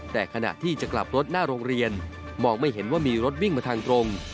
แต่ขณะที่จะกลับรถหน้าโรงเรียนมองไม่เห็นว่ามีรถวิ่งมาทางตรง